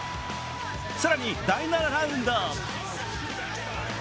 更に、第７ラウンド。